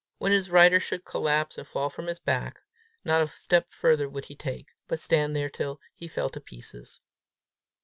When his rider should collapse and fall from his back, not a step further would he take, but stand there till he fell to pieces!